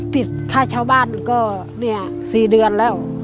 ติดค่าชาวบ้านก็เนี่ย๔เดือนแล้ว